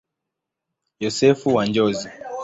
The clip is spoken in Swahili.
Yosefu wa Njozi.